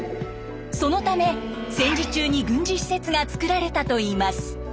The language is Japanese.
そのため戦時中に軍事施設が造られたといいます。